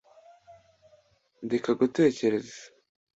ndeka gutekereza